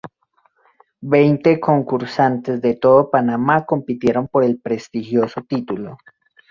Veinte concursantes de todo Panamá compitieron por el prestigioso título.